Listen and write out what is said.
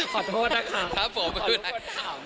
ขอโทษนะคะขอลูกคนถามครับผมขอลูกคนถามครับผม